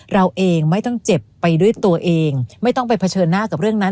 เราเองไม่ต้องเจ็บไปด้วยตัวเองไม่ต้องไปเผชิญหน้ากับเรื่องนั้น